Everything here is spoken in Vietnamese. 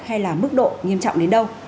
hay là mức độ nghiêm trọng đến đâu